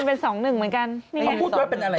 เขาบอก๓๑คุณแม่บอก